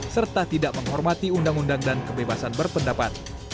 serta tidak menghormati undang undang dan kebebasan berpendapat